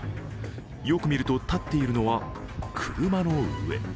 よくみると立っているのは、車の上。